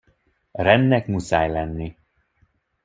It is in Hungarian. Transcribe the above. Rendnek muszáj lenni.